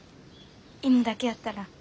芋だけやったら。